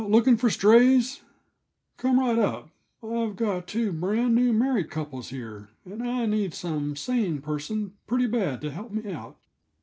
"Out looking for strays? Come right up; I've got two brand new married couples here, and I need some sane person pretty bad to help me out."